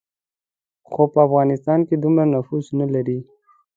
خو په افغانستان کې دومره نفوذ نه لري.